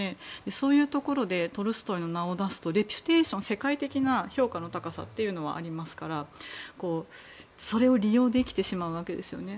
そういうところでトルストイの名前を出すと世界的な評価の高さはありますからそれを利用できてしまうわけですよね。